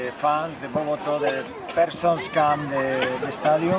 pemain boboto orang orang yang datang ke stadion